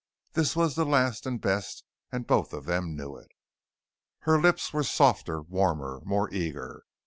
This was the last and best and both of them knew it. Her lips were softer, warmer. More eager.